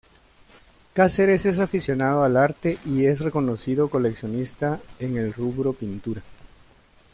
Cáceres es aficionado al arte y es un reconocido coleccionista en el rubro pintura.